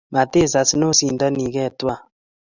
Matisas nosindonigei tuwai